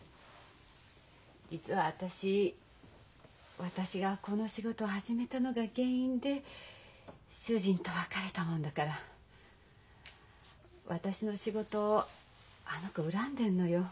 実は私私がこの仕事を始めたのが原因で主人と別れたもんだから私の仕事をあの子恨んでんのよ。